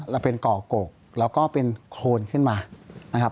แล้วเป็นก่อกกกแล้วก็เป็นโคลนขึ้นมา